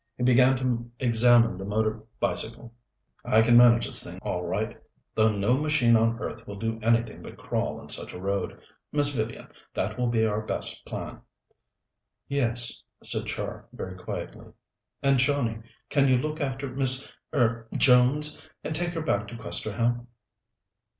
He began to examine the motor bicycle. "I can manage this all right, though no machine on earth will do anything but crawl on such a road. Miss Vivian, that will be our best plan." "Yes," said Char, very quietly. "And, Johnnie, can you look after Miss er Jones, and take her back to Questerham?"